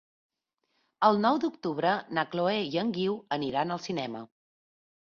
El nou d'octubre na Chloé i en Guiu aniran al cinema.